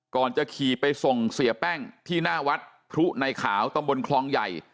ก่อนจะขี่ไปส่งเสียแป้งที่หน้าวัดพรุในขาวตำบลคลองใหญ่